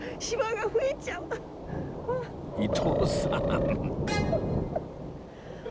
伊東さん！